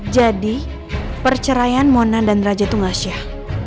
jadi perceraian mona dan raja itu gak seyah